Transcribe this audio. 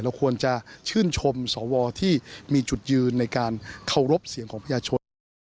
ควรจะชื่นชมสวที่มีจุดยืนในการเคารพเสียงของประชาชนนะครับ